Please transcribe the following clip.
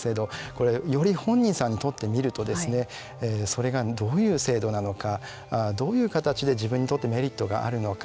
これより本人さんにとってみるとそれがどういう制度なのかどういう形で、自分にとってメリットがあるのか。